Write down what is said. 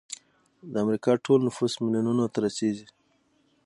د امریکا ټول نفوس میلیونونو ته رسیږي.